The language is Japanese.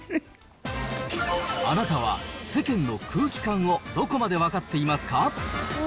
あなたは、世間の空気感をどこまで分かっていますか。